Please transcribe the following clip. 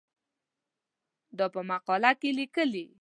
دا په مقاله کې لیکې.